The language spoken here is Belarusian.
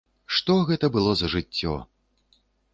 Што гэта было за жыццё!